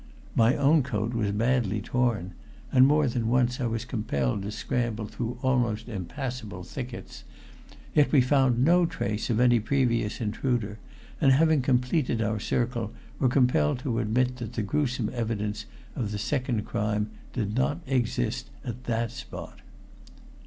My own coat was badly torn, and more than once I was compelled to scramble through almost impassable thickets; yet we found no trace of any previous intruder, and having completed our circle were compelled to admit that the gruesome evidence of the second crime did not exist at that spot.